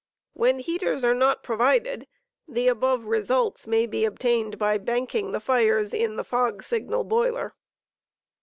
When heaters are not provided, the above results may be obtaiued by banking the fires in the fog signal boiler.